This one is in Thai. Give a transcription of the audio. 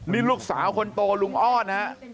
นี่ลูกสาวคนโตลุงอ้อนฮะ